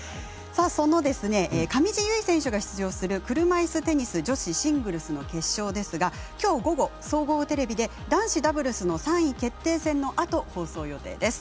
その上地結衣選手が出場する車いすテニス女子シングルスの決勝ですがきょう、午後総合テレビで男子ダブルスの３位決定戦のあと放送予定です。